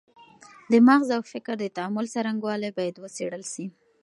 د مغز او فکر د تعامل څرنګوالی باید وڅېړل سي.